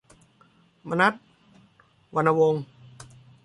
มนัส วรรณวงศ์